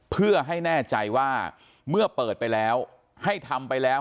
เพื่อให้แน่ใจว่าเมื่อเปิดไปแล้วให้ทำไปแล้ว